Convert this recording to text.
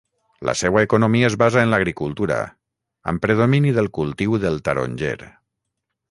La seua economia es basa en l'agricultura, amb predomini del cultiu del taronger.